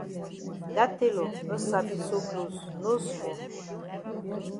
Dat tailor no sabi sew closs no small.